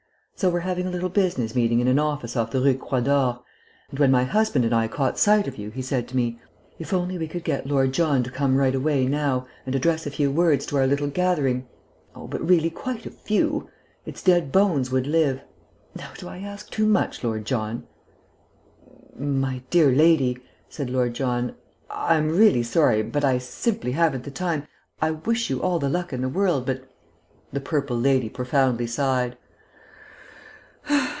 So we are having a little business meeting in an office off the Rue Croix d'Or. And when my husband and I caught sight of you he said to me, 'If only we could get Lord John to come right away now and address a few words to our little gathering oh, but really quite a few its dead bones would live!' Now, do I ask too much, Lord John?" "My dear lady," said Lord John, "I'm really sorry, but I simply haven't the time, I wish you all the luck in the world, but " The purple lady profoundly sighed.